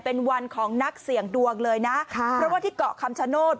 เป็นวันของนักเสี่ยงดวงเลยนะค่ะเพราะว่าที่เกาะคำชโนธ